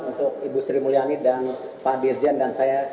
untuk ibu sri mulyani dan pak dirjen dan saya